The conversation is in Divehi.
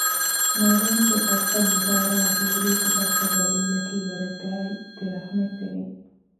ނަވީންގެ ބައްޕަ ނިޒާރާއި ޖޫލީގެ ބައްޕަ ޖަލީލަކީ ވަރަށް ގާތް ދެރަޙްމަތްތެރިން